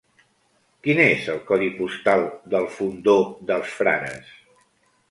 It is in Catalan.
Quin és el codi postal del Fondó dels Frares?